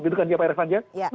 gitu kan ya pak irfan